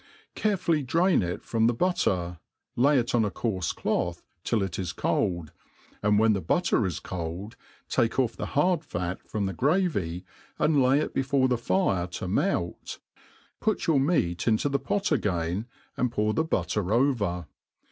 *Careful>y'jdra«n it from the butter, lay it on a coarfe cloth till it is cold, and wb^a.the butter is cold, take ofF the hard fa^ froni the gravj', and Jay it before, the fire to melt, put your meat into th^e pot again^ and pour the butter over.